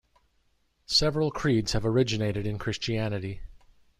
Several creeds have originated in Christianity.